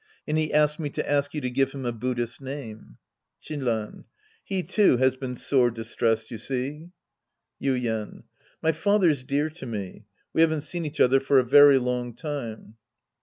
And he asked me to ask you to give him a Buddhist name. Shinran. He, too, has been sore distressed, you see. Yuien. My father's dear to me. We haven't seen each other for a very long time.